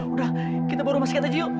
udah kita baru masuk ke atas yuk